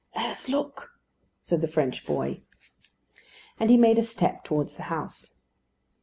"Let us look," said the French boy. And he made a step towards the house.